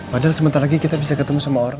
padahal sebentar lagi kita bisa ketemu sama orang